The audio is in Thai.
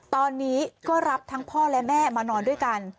ตอนนี้ก็รับทั้งพ่อและแม่มานอนด้วยกัน